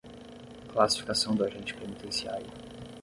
Classificação do agente penitenciário